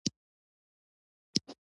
د انټرنیټ لوړه بیه پرمختګ ورو کوي.